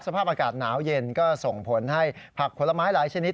สภาพอากาศหนาวเย็นก็ส่งผลให้ผักผลไม้หลายชนิด